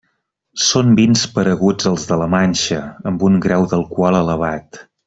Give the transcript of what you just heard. Són vins pareguts als de la Manxa, amb un grau d'alcohol elevat.